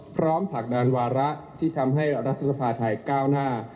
ผลักดันวาระที่ทำให้รัฐสภาไทยก้าวหน้า